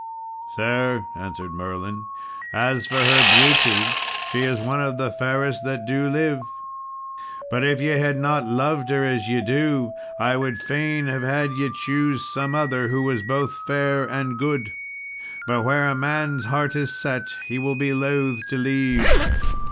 "Sir," answered Merlin, "as for her beauty, she is one of the fairest that do live; but if ye had not loved her as ye do, I would fain have had ye choose some other who was both fair and good. But where a man's heart is set, he will be loath to leave."